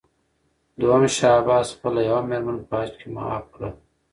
دوهم شاه عباس خپله یوه مېرمن په حج کې معاف کړه.